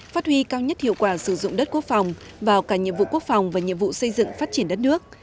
phát huy cao nhất hiệu quả sử dụng đất quốc phòng vào cả nhiệm vụ quốc phòng và nhiệm vụ xây dựng phát triển đất nước